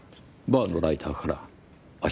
バーのライターから足取りが？